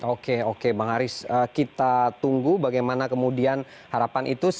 oke oke bang haris kita tunggu bagaimana kemudian harapan itu